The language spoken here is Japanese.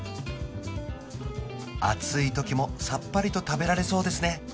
暑いときもさっぱりと食べられそうですね